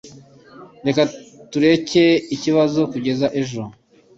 Reka tureke ikibazo kugeza ejo.